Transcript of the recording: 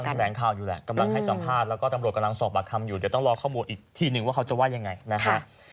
แถลงข่าวอยู่แหละกำลังให้สัมภาษณ์แล้วก็ตำรวจกำลังสอบปากคำอยู่เดี๋ยวต้องรอข้อมูลอีกทีนึงว่าเขาจะว่ายังไงนะฮะ